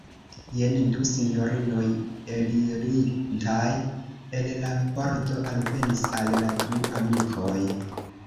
Jen du sinjorinoj elirintaj el la pordo alvenis al la du amikoj.